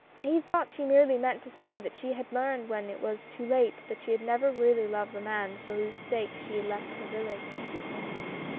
He thought she merely meant to say that she had learned when it was too late that she had never really loved the man for whose sake she had left her village.